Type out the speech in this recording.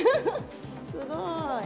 すごい！